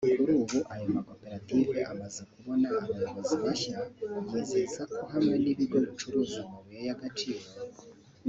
Kuri ubu ayo makoperative amaze kubona abayobozi bashya yizeza ko hamwe n’ibigo bicukura amabuye y’agaciro